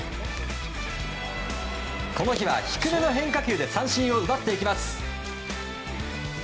この日は低めの変化球で三振を奪っていきます。